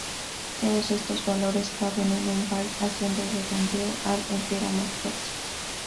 Todos estos valores caben en un byte haciendo redondeo al entero más próximo.